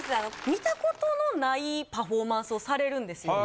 見たことのないパフォーマンスをされるんですよ。